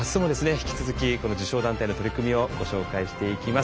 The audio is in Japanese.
引き続きこの受賞団体の取り組みをご紹介していきます。